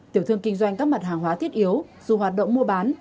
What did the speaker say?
tiểu thương kinh doanh các mặt hàng hóa thiết yếu dù hoạt động mua bán